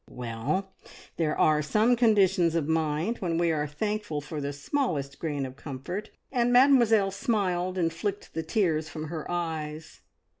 Well! There are some conditions of mind when we are thankful for the smallest grain of comfort, and Mademoiselle smiled and flicked the tears from her eyes.